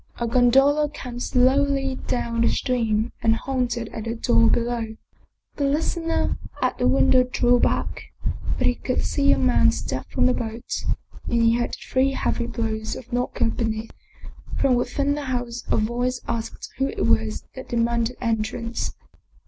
A gondola came slowly down the stream and halted at the door below. The listener at the window drew back, but he could see a man step from the boat, and he heard three heavy blows of the knocker beneath. From within the house a voice asked who it was that demanded entrance.